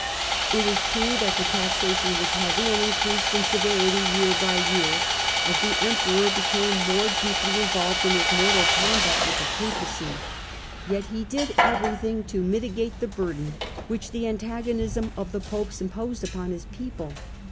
It is true that the taxation was heavy and increased in severity year by year, as the Emperor became more THE YEARS OF SOLACE 113 deeply involved in his mortal combat with the Papacy. Yet he did everything to mitigate the burden which the antagonism of the Popes imposed upon his people.